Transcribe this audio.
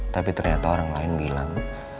tapi ternyata orang lain bilang